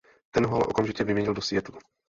Ten ho ale okamžitě vyměnil do Seattlu.